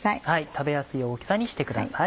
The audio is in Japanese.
食べやすい大きさにしてください。